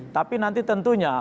tapi nanti tentunya